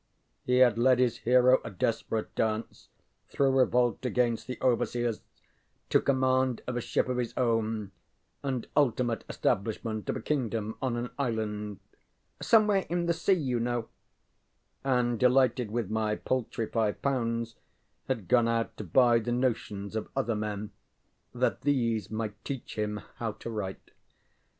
He had led his hero a desperate dance through revolt against the overseas, to command of a ship of his own, and ultimate establishment of a kingdom on an island ŌĆ£somewhere in the sea, you knowŌĆØ; and, delighted with my paltry five pounds, had gone out to buy the notions of other men, that these might teach him how to write.